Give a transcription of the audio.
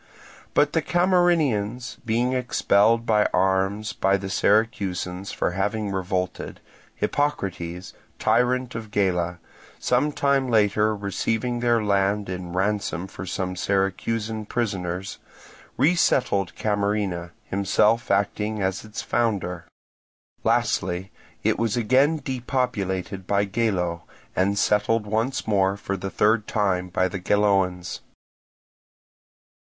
But the Camarinaeans being expelled by arms by the Syracusans for having revolted, Hippocrates, tyrant of Gela, some time later receiving their land in ransom for some Syracusan prisoners, resettled Camarina, himself acting as its founder. Lastly, it was again depopulated by Gelo, and settled once more for the third time by the Geloans.